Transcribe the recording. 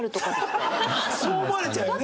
そう思われちゃうよね。